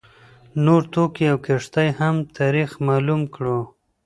نور توکي او کښتۍ هم تاریخ معلوم کړو.